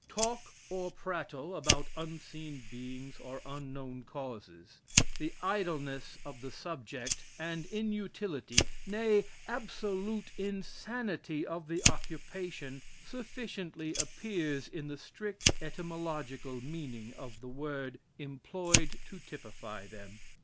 Talk, or prattle, about unseen beings or unknown causes, The idleness of the subject, and inutility nay, absolute insanity of the occupation, sufficiently appears in the strict etymological meaning of the word employed to typify them.